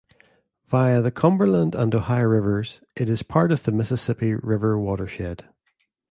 Via the Cumberland and Ohio rivers, it is part of the Mississippi River watershed.